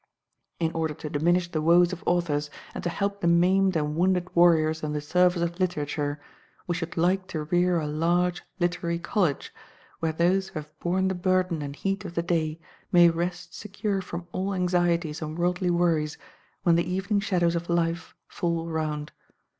In order to diminish the woes of authors and to help the maimed and wounded warriors in the service of Literature, we should like to rear a large Literary College, where those who have borne the burden and heat of the day may rest secure from all anxieties and worldly worries when the evening shadows of life fall around.